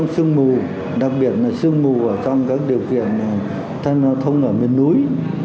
sương mù đặc biệt là sương mù ở trong các điều kiện tham gia giao thông ở miền núi